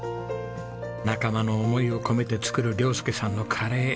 仲間の思いを込めて作る亮佑さんのカレー。